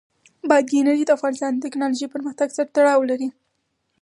بادي انرژي د افغانستان د تکنالوژۍ پرمختګ سره تړاو لري.